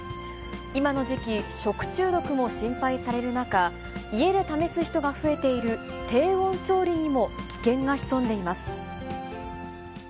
今の時期、食中毒も心配される中、家で試す人が増えている低温調理にも危険が潜んでいます。